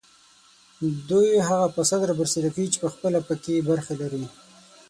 دوی هغه فساد رابرسېره کوي چې پخپله په کې برخه لري